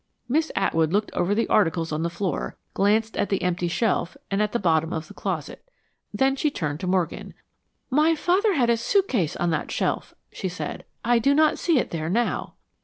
Miss Atwood looked over the articles on the floor, glanced at the empty shelf, and at the bottom of the closet. Then she turned to Morgan. "My father had a suitcase on that shelf," she said. "I do not see it there now."